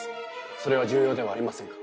それは重要ではありませんか？